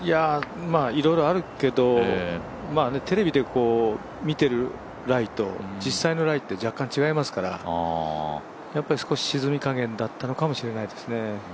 いろいろあるけど、テレビで見てるライと実際のライって若干違いますからやっぱり少し沈み加減だったのかもしれないですね。